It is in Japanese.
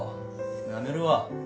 やめるわ。